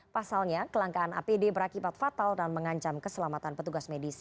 pasalnya kelangkaan apd berakibat fatal dan mengancam keselamatan petugas medis